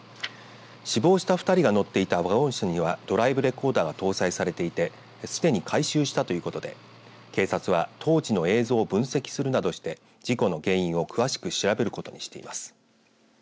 死亡した２人が乗っていたワゴン車にはドライブレコーダーが搭載されていてすでに回収したということで警察は当時の映像を分析するなどして事故の原因を詳しく調べることにしています。